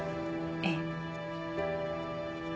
ええ。